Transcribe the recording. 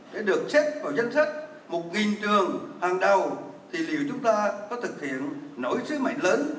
để được xếp vào danh sách một trường hàng đầu thì liệu chúng ta có thực hiện nổi sứ mệnh lớn